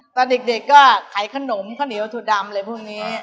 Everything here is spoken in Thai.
ตอนเด็กก็ขายขนมข้าวเหนียวถั่วดำอะไรพวกนี้